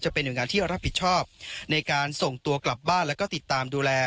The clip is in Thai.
เป็นหน่วยงานที่รับผิดชอบในการส่งตัวกลับบ้านแล้วก็ติดตามดูแล